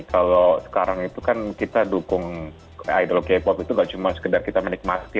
kalau sekarang itu kan kita dukung ideologi k pop itu gak cuma sekedar kita menikmati